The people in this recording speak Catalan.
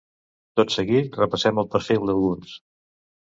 Tot seguit repassem el perfil d’alguns.